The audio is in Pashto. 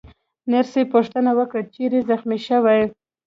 نرسې پوښتنه وکړه: چیرې زخمي شوې؟